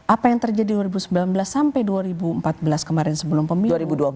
apa yang terjadi dua ribu sembilan belas sampai dua ribu empat belas kemarin sebelum pemilu